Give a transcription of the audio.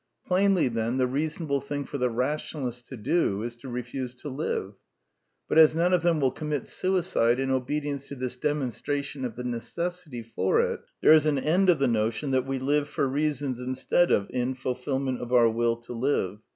Plainly, then, the reasonable thing for the rationalists to do is to refuse to live. But as none of them will commit suicide in obedience to this demonstration of '* the necessity *' for it, there is an end of the notion that we live for reasons instead of in fulfilment of our will to live.